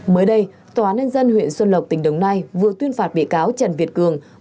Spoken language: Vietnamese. mới đây tòa án nhân dân huyện xuân lộc tỉnh đồng nai vừa tuyên phạt bị cáo trần việt cường